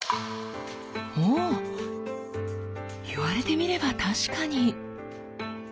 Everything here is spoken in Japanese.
ほぉ言われてみれば確かに。